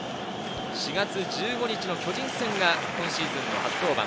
４月１５日の巨人戦が今シーズンの初登板。